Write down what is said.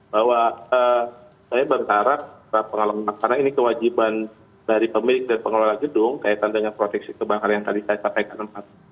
bahwa saya berharap pengalaman karena ini kewajiban dari pemilik dan pengelola gedung kaitan dengan proteksi kebakaran yang tadi saya sampaikan